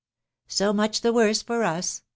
" So much the worse for us, ....